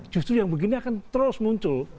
justru yang begini akan terus muncul